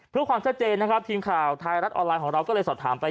เพื่อความชัดเจนนะครับทีมข่าวไทยรัฐออนไลน์ของเราก็เลยสอบถามไป